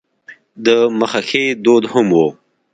د مخه ښې دود هم و.